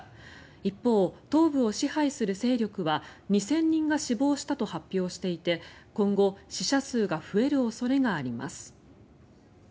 一方、東部を支配する勢力は２０００人が死亡したと発表していて今後、死者数が増える恐れがあります。